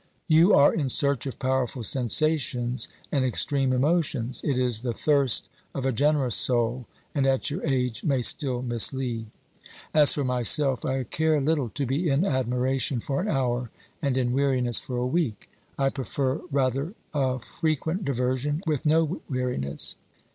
"You are in search of powerful sensations and extreme emotions ; it is the thirst of a generous soul and at your age may still mislead. As for myself, I care little to be in admiration for an hour and in weariness for a week ; I 3i6 OBERMANN prefer rather a, frequent diversion with no weariness.